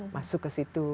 masuk ke situ